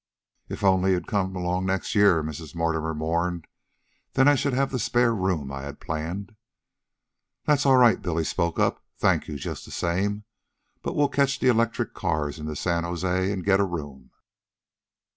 "If you'd only come along next year," Mrs. Mortimer mourned; "then I should have had the spare room I had planned " "That's all right," Billy spoke up; "thank you just the same. But we'll catch the electric cars into San Jose an' get a room."